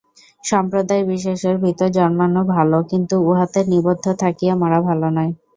সম্প্রদায়-বিশেষের ভিতর জন্মানো ভাল, কিন্তু উহাতে নিবদ্ধ থাকিয়া মরা ভাল নয়।